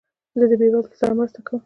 زه د بېوزلو سره مرسته کوم.